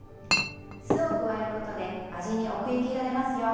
酢を加えることで味に奥行きがでますよ。